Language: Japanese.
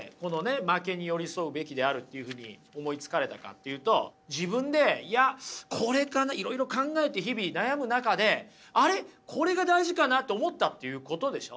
負けに寄り添うべきであるっていうふうに思いつかれたかっていうと自分でいやこれかないろいろ考えて日々悩む中で「あれ？これが大事かな」と思ったっていうことでしょ？